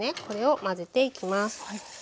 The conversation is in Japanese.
これを混ぜていきます。